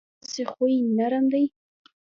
ایا ستاسو خوی نرم دی؟